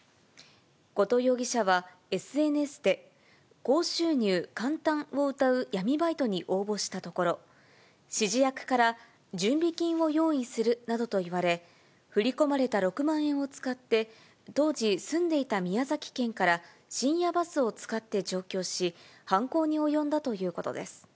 後藤容疑者はＳＮＳで、高収入・簡単をうたう闇バイトに応募したところ、指示役から準備金を用意するなどと言われ、振り込まれた６万円を使って、当時、住んでいた宮崎県から深夜バスを使って上京し、犯行に及んだということです。